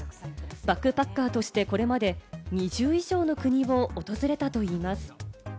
バックパッカーとしてこれまで２０以上の国を訪れたといいます。